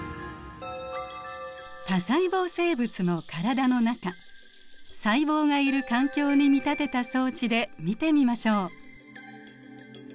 多細胞生物の体の中細胞がいる環境に見立てた装置で見てみましょう。